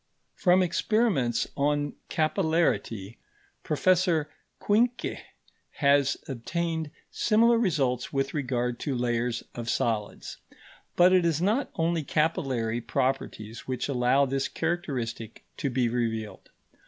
From experiments on capillarity, Prof. Quincke has obtained similar results with regard to layers of solids. But it is not only capillary properties which allow this characteristic to be revealed.